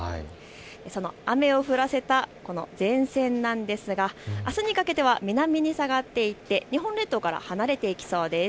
その雨を降らせた前線なんですがあすにかけては南に下がっていって日本列島から離れていきそうです。